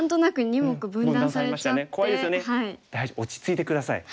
大丈夫落ち着いて下さい。